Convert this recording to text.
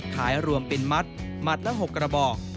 รวมเป็นมัดมัดละ๖กระบอก